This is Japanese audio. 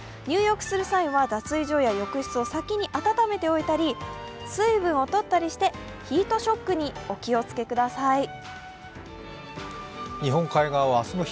入浴する際は、脱衣所や浴室を先に温めておいたり水分をとったりしてヒートショックにお気をつけください。